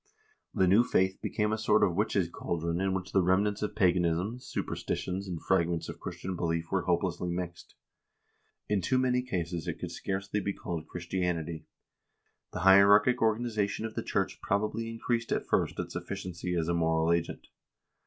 The new faith became a sort of witch's chaldron in which remnants of paganism, supersti tions, and fragments of Christian belief were hopelessly mixed. In too many cases it could scarcely be called Christianity. The hier archic organization of the church probably increased at first its efficiency as a moral agent.